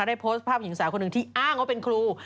ได้โพสต์ภาพหญิงสาวคนหนึ่งที่อ้างว่าเป็นครู